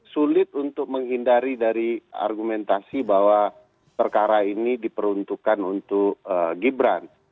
sulit untuk menghindari dari argumentasi bahwa perkara ini diperuntukkan untuk gibran